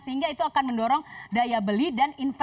sehingga itu akan mendorong daya beli dan inflasi tentunya